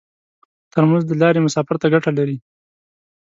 ترموز د لارې مسافر ته ګټه لري.